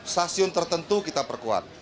stasiun tertentu kita perkuat